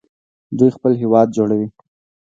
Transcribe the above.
دوی خپل هیواد جوړوي.